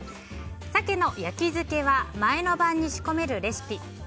鮭の焼き漬けは前の晩に仕込めるレシピ。